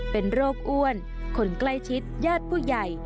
เป็นโรคอ้วนคนใกล้ชิดญาติผู้ใหญ่